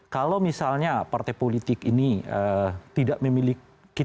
kalau misalnya partai politik ini tidak memiliki